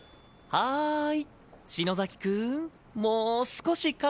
はい。